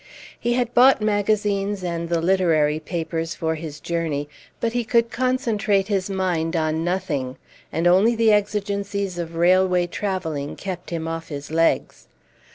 He had bought magazines and the literary papers for his journey, but he could concentrate his mind on nothing, and only the exigencies of railway travelling kept him off his legs.